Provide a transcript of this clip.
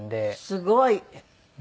すごい。